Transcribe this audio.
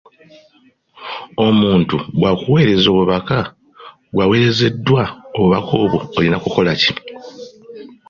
Omuntu w'akuweereza obubaka, ggwe aweerezeddwa obubaka obwo olina kukola ki?